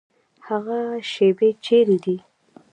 هغه شیبې چیري دي؟